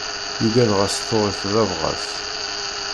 Yugad ɣas tuɣ-t d abɣas.